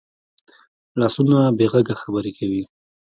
لاسونه بې غږه خبرې کوي